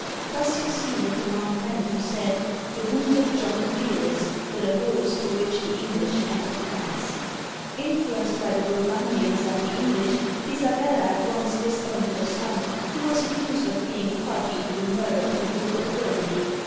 Thus you see what the monk meant, who said, "The wounds of John the Fear less were the holes through which the English entered France !" Influenced by the Burgundians and the English, Isabella at once disowned her son, who was accused of being a party to the murder of the Duke of Burgundy.